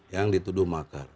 yang dituduh makan